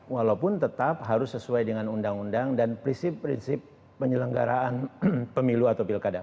walaupun tetap harus sesuai dengan undang undang dan prinsip prinsip penyelenggaraan pemilu atau pilkada